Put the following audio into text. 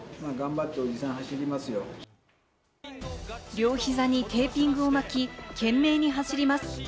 両膝にテーピングを巻き、懸命に走ります。